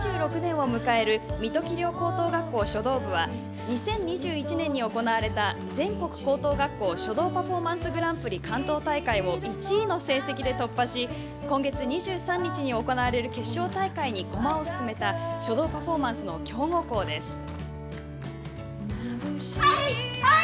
２６年を迎える水戸葵陵高等学校書道部は２０２１年に行われた全国高等学校書道パフォーマンスグランプリ関東大会を１位の成績で突破し今月２３日に行われる決勝大会に駒を進めた書道パフォーマンスの強豪校です。